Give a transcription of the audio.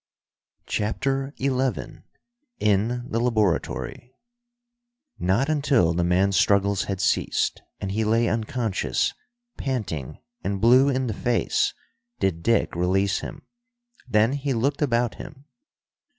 CHAPTER XI In the Laboratory Not until the man's struggles had ceased, and he lay unconscious, panting, and blue in the face, did Dick release him. Then he looked about him.